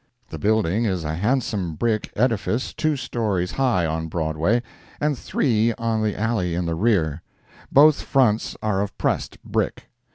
The building is a handsome brick edifice, two stories high on Broadway, and three on the alley in the rear; both fronts are of pressed brick.